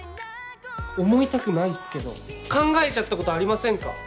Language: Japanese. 思いたくないっすけど考えちゃったことありませんか？